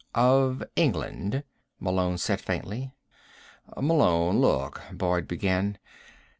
"Of England," Malone said faintly. "Malone, look " Boyd began.